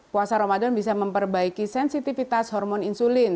puasa ramadan bisa memperbaiki sensitivitas hormon insulin